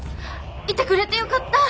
居てくれてよかった！